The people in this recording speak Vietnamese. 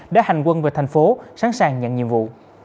đã hành quân về thành phố sẵn sàng nhận nhiệm vụ